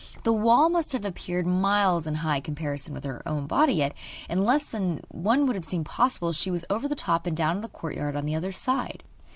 The wall must have appeared miles high in comparison with her own body; yet, in less time than would have seemed possible, she was over the top and down in the courtyard on the other side.